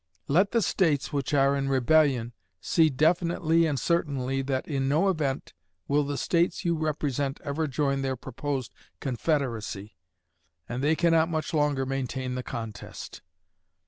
Let the States which are in rebellion see definitely and certainly that in no event will the States you represent ever join their proposed confederacy, and they cannot much longer maintain the contest....